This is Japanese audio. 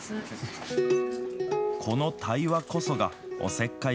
この対話こそがおせっかい